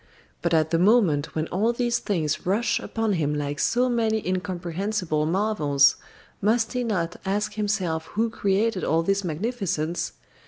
But at the moment when all these things rush upon him like so many incomprehensible marvels, must he not ask himself who created all this magnificence?